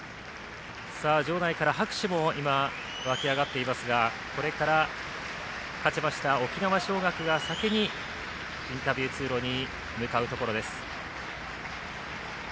場内から拍手も沸きあがっていますがこれから、勝ちました沖縄尚学が先にインタビュー通路に向かうところです。